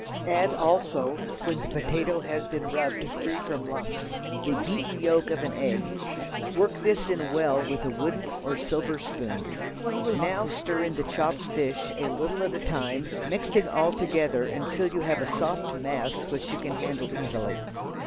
Add also, when the potato has been rubbed until free from lumps, the beaten yolk of an egg. Work this in well with a wooden or silver spoon. Now stir in the chopped fish, a little at a time, mixing all together until you have a soft mass which you can handle easily.